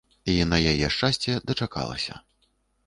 І, на яе шчасце, дачакалася.